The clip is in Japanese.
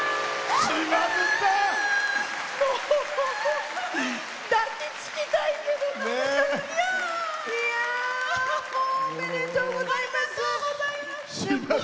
ありがとうございます。